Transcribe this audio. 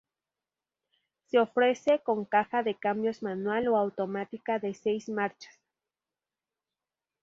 Se ofrece con caja de cambios manual o automática de seis marchas.